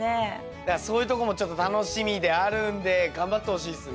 だからそういうとこもちょっと楽しみであるんで頑張ってほしいっすね。